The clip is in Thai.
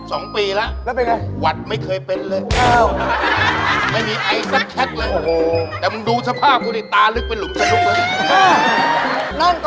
ประมาณ๑๒ปีแล้ววัดไม่เคยเป็นเลยไม่มีไอ้สักแค่เลยแต่มึงดูสภาพกูดิตาลึกเป็นหลุมฉันลุกมึง